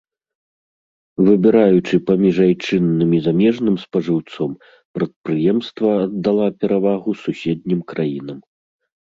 Выбіраючы паміж айчынным і замежным спажыўцом, прадпрыемства аддала перавагу суседнім краінам.